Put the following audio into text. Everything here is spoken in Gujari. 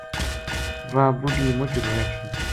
واہ بُڈھی مچ روئے تھی